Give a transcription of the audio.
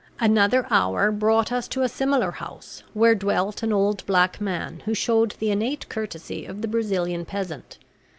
Another hour brought us to a similar house where dwelt an old black man, who showed the innate courtesy of the Brazilian peasant.